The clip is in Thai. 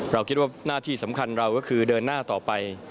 เราคิดว่าหน้าที่สำคัญเราก็คือเดินหน้าต่อไป